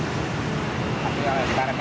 tapi kalau sekarang